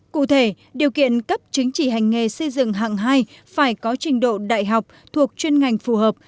cụ thể điều kiện cấp chứng chỉ hành nghề xây dựng hạng hai phải có trình độ đại học thuộc chuyên ngành phù hợp